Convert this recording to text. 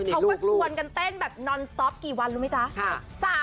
เขาก็ชวนกันเต้นแบบนอนสต๊อปกี่วันรู้ไหมจ๊ะ